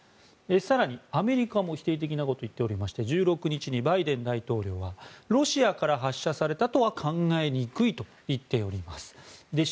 更にアメリカも否定的なことを言っておりまして１６日にバイデン大統領はロシアから発射されたとは考えにくいと言っています。